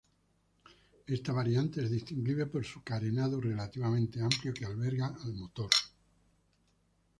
Esta variante es distinguible por su carenado relativamente amplio que alberga al motor.